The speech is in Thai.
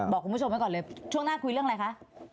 บอกคุณผู้ชมไว้ก่อนเลยช่วงหน้าคุยเรื่องอะไรคะ